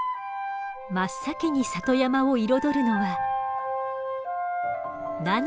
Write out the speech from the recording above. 真っ先に里山を彩るのは菜の花。